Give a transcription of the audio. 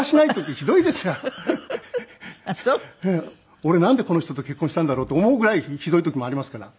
俺なんでこの人と結婚したんだろうと思うぐらいひどい時もありますから。